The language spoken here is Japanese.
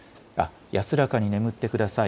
安らかに眠ってください。